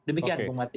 demikian bapak martin